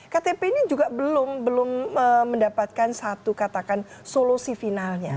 ktp ini juga belum mendapatkan satu katakan solusi finalnya